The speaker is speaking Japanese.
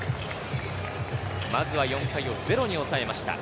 まずは４回をゼロに抑えました。